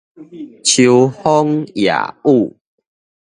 秋風夜雨